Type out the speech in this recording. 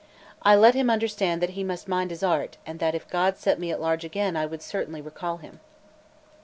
I let him understand that he must mind his art, and that if God set me a large again I would certainly recall him.